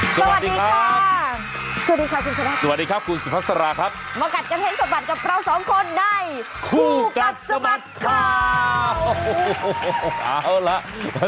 สวัสดีครับสวัสดีครับคุณสุภัสราครับมากัดกระเทศสบัดกับเราสองคนในคู่กัดสบัดข่าว